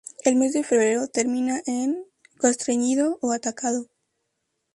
El mes de febrero termina en -พันธ์, "constreñido" o "atado".